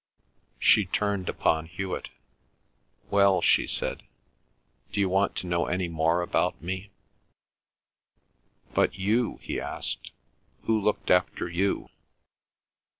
She turned upon Hewet. "Well," she said, "d'you want to know any more about me?" "But you?" he asked, "Who looked after you?"